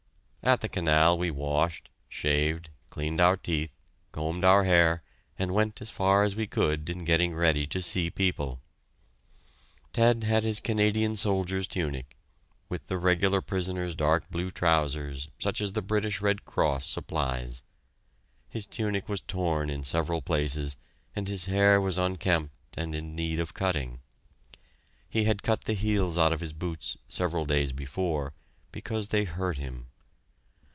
At the canal we washed, shaved, cleaned our teeth, combed our hair, and went as far as we could in getting ready to see people. Ted had his Canadian soldier's tunic, with the regular prisoner's dark blue trousers such as the British Red Cross supplies. His tunic was torn in several places and his hair was unkempt and in need of cutting. He had cut the heels out of his boots, several days before, because they hurt him.